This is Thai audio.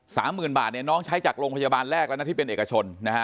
หมื่นบาทเนี่ยน้องใช้จากโรงพยาบาลแรกแล้วนะที่เป็นเอกชนนะฮะ